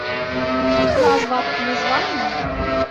Biraz vaktiniz var mı?